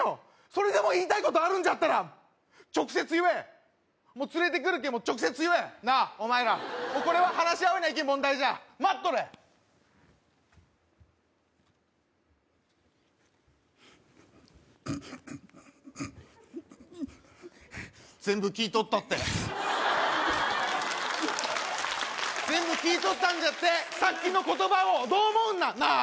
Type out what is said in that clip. それでも言いたいことあるんじゃったら直接言えもう連れてくるけ直接言えなあお前らこれは話し合わないけん問題じゃ待っとれ全部聞いとったって全部聞いとったんじゃってさっきの言葉をどう思うんななあ